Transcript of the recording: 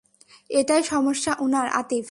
এটাই সমস্যা উনার, আতিফ।